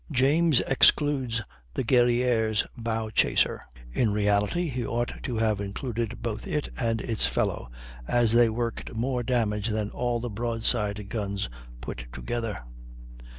James excludes the Guerrière's bow chaser; in reality he ought to have included both it and its fellow, as they worked more damage than all the broadside guns put together.